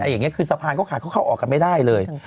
อย่างนี้คือสะพานเขาขาดเขาเข้าออกกันไม่ได้เลย